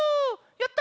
やった！